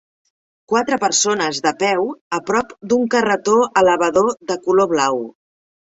Quatre persones de peu a prop d"un carretó elevador de color blau.